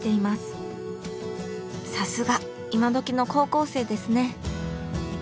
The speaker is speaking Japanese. さすが今どきの高校生ですね！